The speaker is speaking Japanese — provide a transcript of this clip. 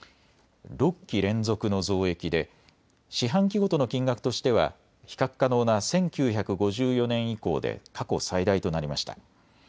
６期連続の増益で四半期ごとの金額としては比較可能な１９５４年以降で過去最大となりました。